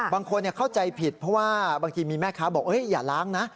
บางคนเข้าใจผิดเพราะว่าบางทีมีแม่ค้าบอกอย่าล้างนะ